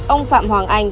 ông phạm hoàng anh